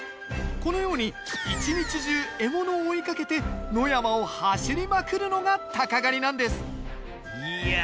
このように一日中獲物を追いかけて野山を走りまくるのが鷹狩りなんですいや